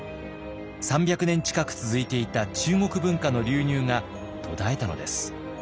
３００年近く続いていた中国文化の流入が途絶えたのです。